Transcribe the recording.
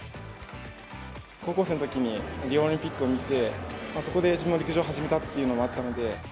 高校生のときに、リオオリンピックを見て、そこで自分も陸上を始めたということがあったので。